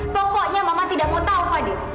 pokoknya mama tidak mau tahu fadi